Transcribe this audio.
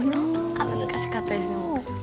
難しかったですでも。